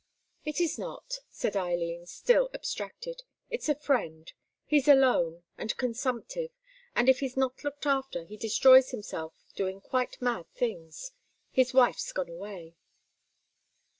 "It is not," said Eileen, still abstracted. "It's a friend. He's alone, and consumptive, and if he's not looked after he destroys himself doing quite mad things. His wife's gone away."